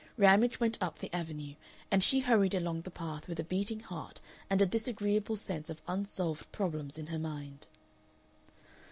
Ramage went up the Avenue, and she hurried along the path with a beating heart and a disagreeable sense of unsolved problems in her mind.